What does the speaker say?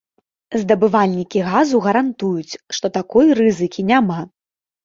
Здабывальнікі газу гарантуюць, што такой рызыкі няма.